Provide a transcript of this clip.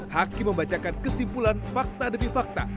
hakim membacakan kesimpulan fakta demi fakta